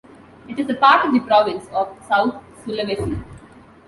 It is part of the province of South Sulawesi.